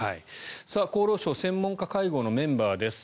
厚労省専門家会合のメンバーです。